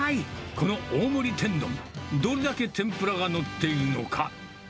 この大盛り天丼、どれだけ天ぷらが載っているのか。